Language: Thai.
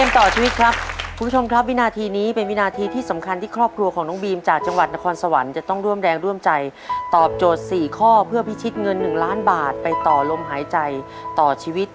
ต่อชีวิตครับคุณผู้ชมครับวินาทีนี้เป็นวินาทีที่สำคัญที่ครอบครัวของน้องบีมจากจังหวัดนครสวรรค์จะต้องร่วมแรงร่วมใจตอบโจทย์๔ข้อเพื่อพิชิตเงิน๑ล้านบาทไปต่อลมหายใจต่อชีวิต